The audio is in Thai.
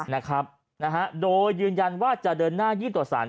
นะครับโดยยืนยันว่าจะเดินหน้ายี่ตรวจสาร